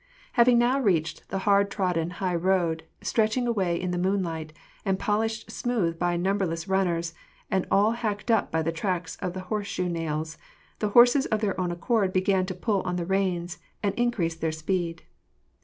Having now reached the hard trodden high road, stretching away in the moonlight, and polished smooth by numberless runners, and all hacked up by the tracks of horse shoe nails, the horses of their own accord began to pull on the reins, and in crease their speed.